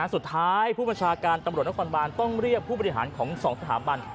สุดท้ายผู้บัญชาการตำรวจนครบานต้องเรียกผู้บริหารของ๒สถาบัน